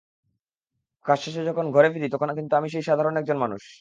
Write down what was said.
কাজ শেষে যখন ঘরে ফিরি, তখন কিন্তু আমি সেই সাধারণ একজন মানুষ।